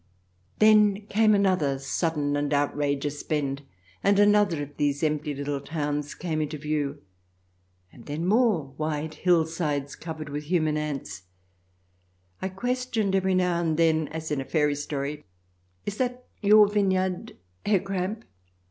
There came another sudden and outrageous bend, and another of these empty little towns came into view — and then more wide hill sides covered with ♦ J. L. F.^M. H. 20 306 THE DESIRABLE ALIEN [ch. xxi human ants. I questioned every now and then, as in a fairy story :" Is that your vineyard, Herr Kramp?"